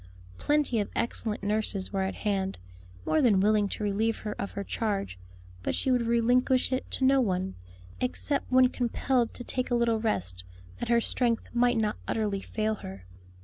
Plenty of excellent nurses were at hand, more than willing to relieve her of her charge; but she would relinquish it to no one; except when compelled to take a little rest that her strength might not utterly fail her.